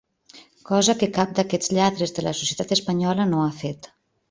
Cosa que cap d’aquests lladres de la societat espanyola no ha fet.